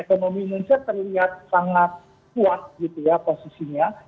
ekonomi indonesia terlihat sangat kuat gitu ya posisinya